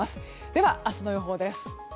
では明日の予報です。